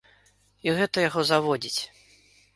І гэта яго заводзіць.